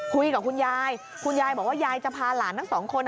คุยกับคุณยายคุณยายบอกว่ายายจะพาหลานทั้งสองคน